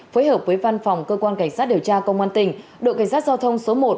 phối hợp với văn phòng cơ quan cảnh sát điều tra công an tỉnh đội cảnh sát giao thông số một